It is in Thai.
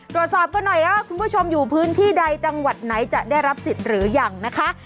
ตรวจสอบกันหน่อยว่าคุณผู้ชมอยู่พื้นที่ใดจังหวัดไหนจะได้รับสิทธิ์หรือยังนะคะ